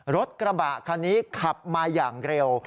รถกระบะคันนี้ขับมาอย่างเร็ว